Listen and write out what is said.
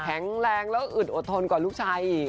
แข็งแรงแล้วอึดอดทนกว่าลูกชายอีก